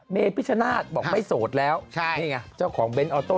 เมพิชนาธิ์บอกไม่โสดแล้วนี่ไงเจ้าของเน้นออโต้